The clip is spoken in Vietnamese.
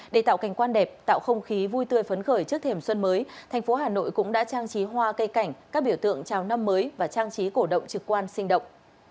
để tạo cảnh quan đẹp tạo không khí vui tươi phấn khởi trước thềm xuân mới thành phố hà nội cũng đã trang trí hoa cây cảnh các biểu tượng chào năm mới và trang trí cổ động trực quan sinh động